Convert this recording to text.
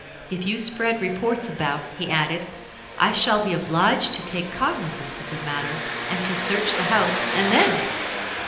"If you spread reports about," he added, "I shall be obliged to take cognizance of the matter, and to search the house, and then!..."